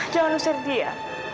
jangan usir dia